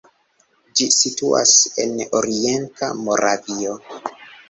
Ĝi situas en orienta Moravio.